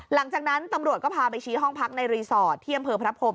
หลังจากนั้นตำรวจก็พาไปชี้ห้องพักในรีสอร์ทที่อำเภอพระพรม